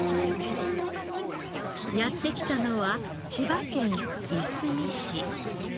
やってきたのは千葉県いすみ市。